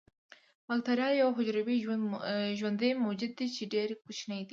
باکتریا یو حجروي ژوندی موجود دی چې ډیر کوچنی دی